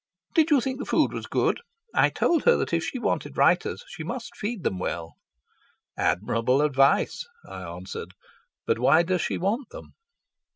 "Did you think the food was good? I told her that if she wanted writers she must feed them well." "Admirable advice," I answered. "But why does she want them?"